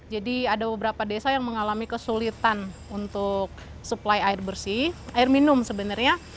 jadi ada beberapa desa yang mengalami kesulitan untuk supply air bersih air minum sebenarnya